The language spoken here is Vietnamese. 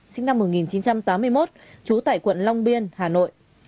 sinh năm một nghìn chín trăm tám mươi một trú tại quận long biên hà nội